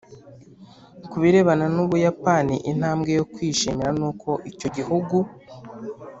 Ku birebana n u buyapani intambwe yo kwishimira ni uko icyo gihugu